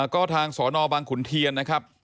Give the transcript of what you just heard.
ก็ทางสนบังขุนเทียนนะครับ